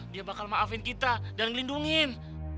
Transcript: dia bakal maafin kita dan lindungi